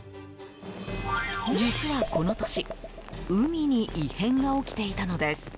実は、この年海に異変が起きていたのです。